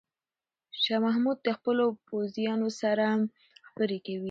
شاه محمود د خپلو پوځیانو سره خبرې کوي.